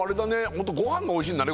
ホントごはんがおいしいんだね